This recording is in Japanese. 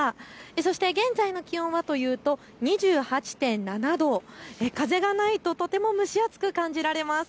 そして現在の気温はというと２８．７度、風がないととても蒸し暑く感じられます。